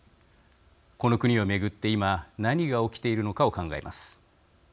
この国を巡って、今何が起きているのかを考えます。